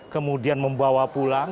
kemudian membawa pulang